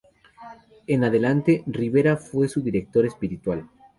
En adelante Ribera fue su director espiritual.